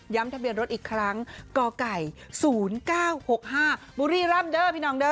ทะเบียนรถอีกครั้งกไก่๐๙๖๕บุรีร่ำเด้อพี่น้องเด้อ